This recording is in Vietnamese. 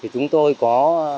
chúng tôi có